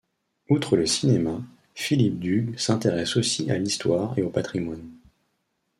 Outre le cinéma, Philippe d’Hugues s’intéresse aussi à l'histoire et au patrimoine.